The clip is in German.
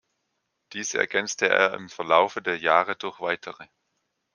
Diese ergänzte er im Verlaufe der Jahre durch weitere.